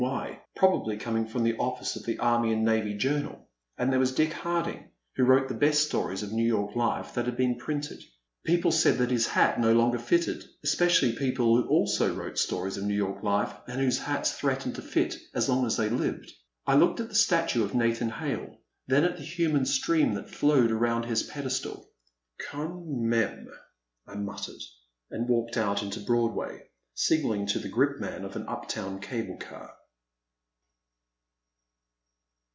Y., prob ably coming from the office of the Army and Navy Journal, and there was Dick Harding A Pleasant Evening. 3 1 5 who wrote the best stories of New York life that have been printed. People said his hat no longer fitted, — especially people who also wrote stories of New York life and whose hats threatened to fit as long as they lived. I looked at the statue of Nathan Hale, then at the human stream that flowed around his ped estal. Quand mfime/* I muttered and walked out into Broadway, signalling to the gripman of an uptown cable car.